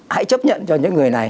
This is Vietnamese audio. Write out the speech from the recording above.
hãy chấp nhận cho những người này